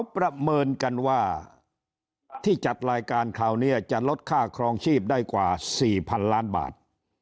ประเมินกันว่าที่จัดรายการคราวนี้จะลดค่าครองชีพได้กว่า๔๐๐๐ล้านบาท